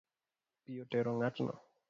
Pi otero ng’atno